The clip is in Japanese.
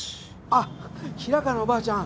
あっ平川のおばあちゃん